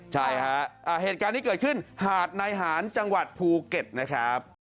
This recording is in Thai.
ใช่ฮะเหตุการณ์ที่เกิดขึ้นหาดนายหานจังหวัดภูเก็ตนะครับ